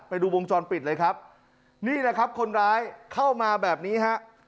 ไปดูวงจรปิดเลยครับนี่แหละครับคนร้ายเข้ามาแบบนี้ฮะ